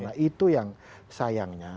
nah itu yang sayangnya